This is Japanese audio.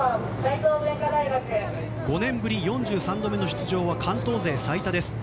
５年ぶり４３度目の出場は関東勢最多です。